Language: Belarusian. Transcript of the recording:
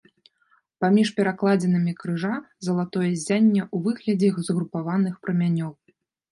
Паміж перакладзінамі крыжа залатое ззянне ў выглядзе згрупаваных прамянёў.